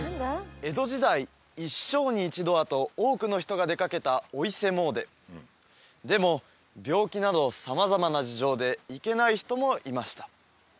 江戸時代一生に一度はと多くの人が出かけたお伊勢詣ででも病気など様々な事情で行けない人もいました